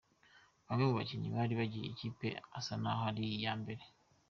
Bamwe mu bakinnyi bari bagiye ikipe isa n'aho ari iya mbere.